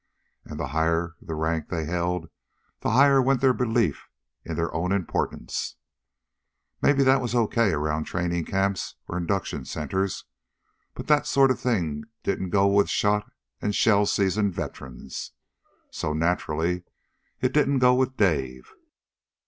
And the higher the rank they held, the higher went their belief in their own importance. Maybe that was okay around training camps or induction centers. But that sort of thing didn't go with shot and shell seasoned veterans. So naturally it didn't go with Dave.